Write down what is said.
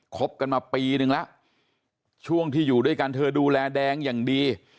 คบกันมาปีนึงแล้วช่วงที่อยู่ด้วยกันเธอดูแลแดงอย่างดี